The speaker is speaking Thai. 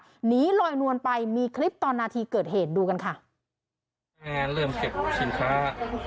หนีลอยนวลไปมีคลิปตอนนาทีเกิดเหตุดูกันค่ะงานเริ่มเก็บสินค้า